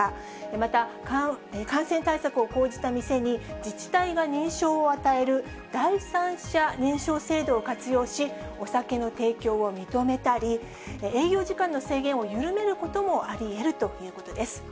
また、感染対策を講じた店に、自治体が認証を与える第三者認証制度を活用し、お酒の提供を認めたり、営業時間の制限を緩めることもありえるということです。